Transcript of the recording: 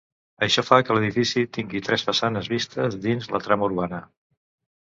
Això fa que l'edifici tingui tres façanes vistes dins la trama urbana.